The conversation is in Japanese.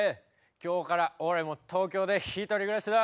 今日から俺も東京で一人暮らしだ。